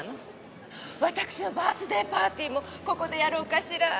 わたくしのバースデーパーティーもここでやろうかしら。